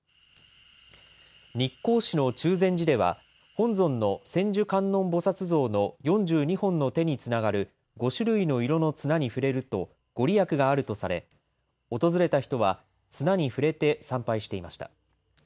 日光市の中禅寺では、本尊の千手観音菩薩像の４２本の手につながる、５種類の色の綱に触れると御利益があるとされ、訪れた人は、綱に触れて参拝していました。